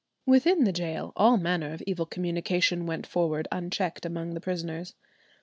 Within the gaol all manner of evil communication went forward unchecked among the prisoners.